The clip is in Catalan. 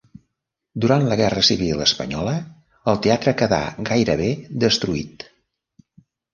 Durant la Guerra Civil Espanyola, el teatre queda gairebé destruït.